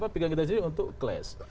pikiran kita sendiri untuk kelas